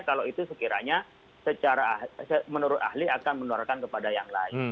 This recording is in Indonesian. kalau itu sekiranya secara menurut ahli akan menularkan kepada yang lain